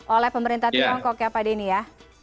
oleh pemerintah tiongkok ya pak denny ya